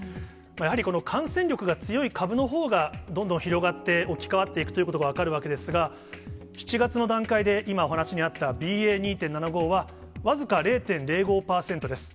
やはり、感染力が強い株のほうが、どんどん広がって、置き換わっていくということが分かるわけですが、７月の段階で、今、お話にあったＢＡ．２．７５は僅か０．０５％です。